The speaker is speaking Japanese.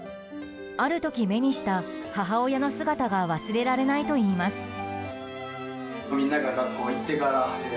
ある時、目にした母親の姿が忘れられないといいます。